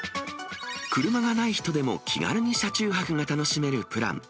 車がない人でも気軽に車中泊が楽しめるプラン。